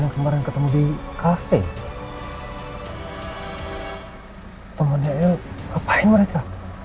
yang kemarin ketemu di cafe temennya apaan mereka